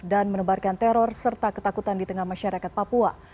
dan menebarkan teror serta ketakutan di tengah masyarakat papua